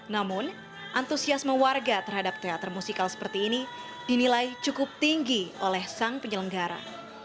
namun antusiasme warga terhadap teater musikal seperti ini dinilai cukup tinggi oleh sang penyelenggara